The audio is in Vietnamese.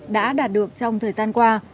đã đạt được trong thời gian qua